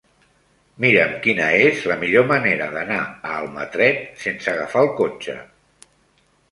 Mira'm quina és la millor manera d'anar a Almatret sense agafar el cotxe.